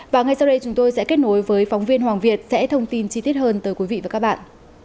và ngay sau đây chúng tôi sẽ kết nối với phóng viên hoàng việt sẽ thông tin chi tiết hơn tới quý vị và các bạn